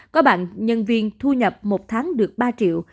có bạn nhân viên thu nhập một tháng được ba triệu